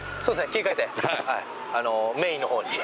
切り替えてメインの方に。